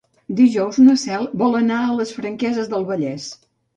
Dijous na Cel vol anar a les Franqueses del Vallès.